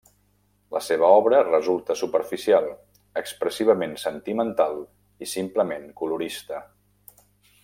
La seva obra resulta superficial, expressivament sentimental i simplement colorista.